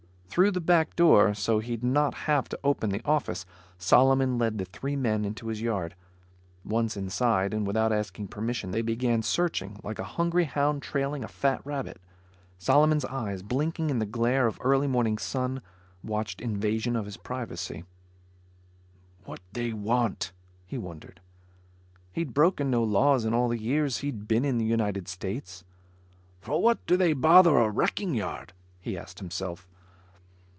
Through the back door, so he'd not have to open the office, Solomon led the three men into his yard. Once inside, and without asking permission, they began searching like a hungry hound trailing a fat rabbit. Solomon's eyes, blinking in the glare of early morning sun, watched invasion of his privacy. "What they want?" he wondered. He'd broken no laws in all the years he'd been in the United States. "For what do they bother a wrecking yard?" he asked himself.